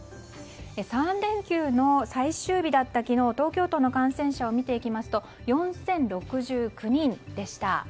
３連休の最終日だった昨日東京都の感染者を見ていきますと４０６９人でした。